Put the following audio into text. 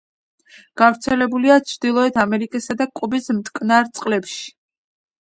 გავრცელებულია ჩრდილოეთ ამერიკის და კუბის მტკნარ წყლებში.